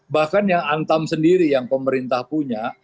bahkan yang antam sendiri yang pemerintah punya